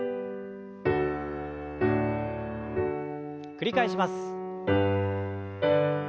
繰り返します。